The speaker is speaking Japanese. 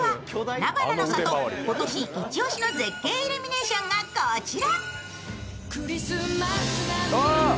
なばなの里の今年イチオシの絶景のイルミネーションがこちら。